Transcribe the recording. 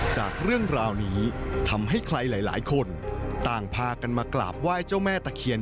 จากเรื่องราวนี้ทำให้ใครหลายคนต่างพากันมากราบไหว้เจ้าแม่ตะเคียน